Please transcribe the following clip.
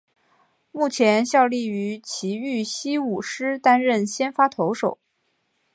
目前效力于崎玉西武狮担任先发投手。